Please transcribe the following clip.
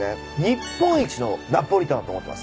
日本一のナポリタンだと思ってます。